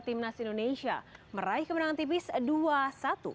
tim nasional indonesia meraih kemenangan tipis dua satu